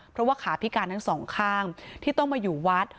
เพราะว่าขาพิการทั้งสองข้างที่ต้องมาอยู่วัด